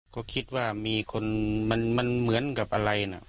ก็คิดว่ามีคนมันเหมือนกับอะไรนะ